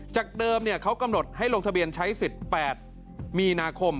จากเดิมเขากำหนดให้ลงทะเบียนใช้สิทธิ์๘มีนาคม